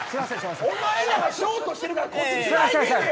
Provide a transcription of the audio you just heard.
お前らがショートしてるから。